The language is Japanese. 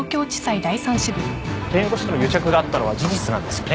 弁護士との癒着があったのは事実なんですよね？